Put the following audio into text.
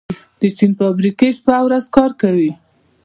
د چین فابریکې شپه او ورځ کار کوي.